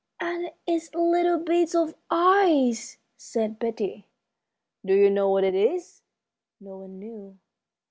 "And its little beads of eyes!" said Betty. "Do you know what it is?" No one knew.